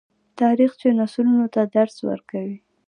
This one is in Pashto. تاریخ چې نسلونو ته درس ورکوي.